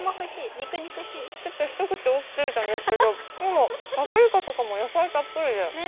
ちょっと一口大きすぎたんですけどでもパプリカとかも、野菜たっぷりで。